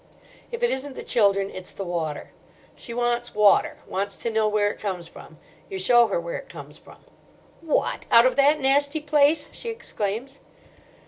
If it isn't the children, it's the water. She wants water—wants to know where it comes from. You show her where it comes from. "What, out of that nasty place!" she exclaims.